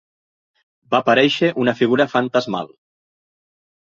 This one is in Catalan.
Va aparèixer una figura fantasmal.